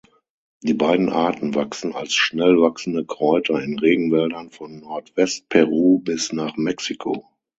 Die beiden Arten wachsen als schnellwachsende Kräuter in Regenwäldern von Nordwest-Peru bis nach Mexiko.